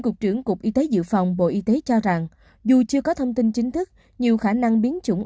cục trưởng cục y tế dự phòng bộ y tế cho rằng dù chưa có thông tin chính thức nhiều khả năng biến chủng